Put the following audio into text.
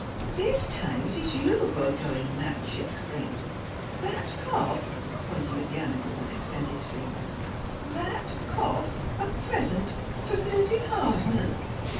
' This time it is you who are going mad,' she exclaimed. 'That cob,' pointing at the animal with extended finger, " that — cob — a — present — for — Lizzie Hardman